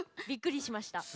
びっくりしました。